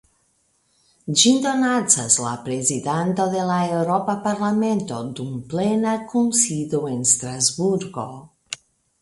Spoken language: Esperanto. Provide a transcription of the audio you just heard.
Ĝin donacas la Prezidanto de la Eŭropa Parlamento dum plena kunsido en Strasburgo.